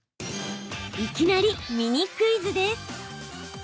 いきなりミニクイズです！